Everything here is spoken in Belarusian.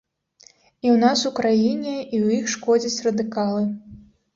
І ў нас у краіне, і ў іх шкодзяць радыкалы.